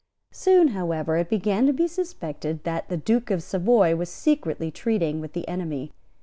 Soon however it began to be suspected that the Duke of Savoy was secretly treating with the enemy.